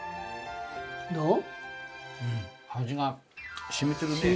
どう？